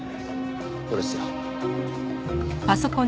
これですよ。